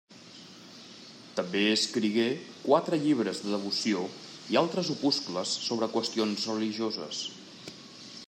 També escrigué quatre llibres de devoció i altres opuscles sobre qüestions religioses.